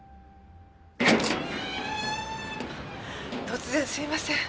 突然すいません。